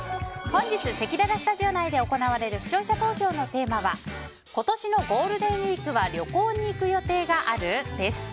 本日せきららスタジオ内で行われる視聴者投票のテーマは今年のＧＷは旅行に行く予定がある？です。